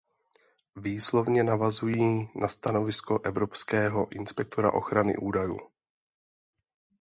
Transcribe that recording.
Výslovně navazují na stanovisko Evropského inspektora ochrany údajů.